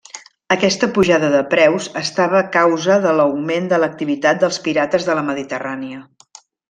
Aquesta pujada de preus estava causa de l'augment de l'activitat dels pirates de la Mediterrània.